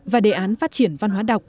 và đề án phát triển văn hóa đọc